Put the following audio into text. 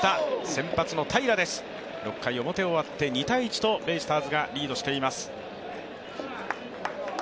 先発の平良です、６回の表終わって２−１とリードしています。